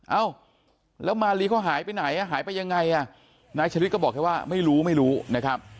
เอ้าแล้วมาลีเขาหายไปไหนอ่ะหายไปยังไงอ่ะนายชะลิดก็บอกแค่ว่าไม่รู้ไม่รู้นะครับ